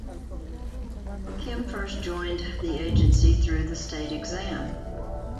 Kim first joined the agency through the state exam.